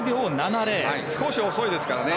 少し遅いですからね。